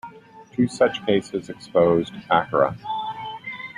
Two such cases exposed Acorah.